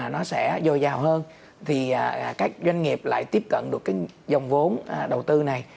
nó sẽ dồi dào hơn thì các doanh nghiệp lại tiếp cận được cái dòng vốn đầu tư này